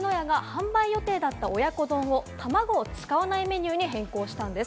吉野家が販売予定だった親子丼を、たまごを使わないメニューに変更したんです。